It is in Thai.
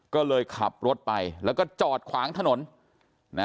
ก็เลยขับรถไปแล้วก็จอดขวางถนนนะ